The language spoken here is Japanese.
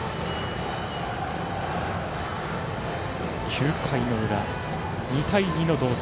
９回の裏、２対２の同点。